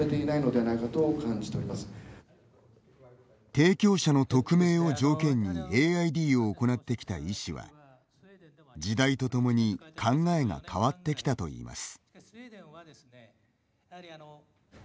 提供者の匿名を条件にＡＩＤを行ってきた医師は時代とともに考えが変わってきたといいます。